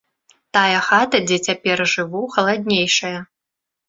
Тая хата, дзе цяпер жыву, халаднейшая.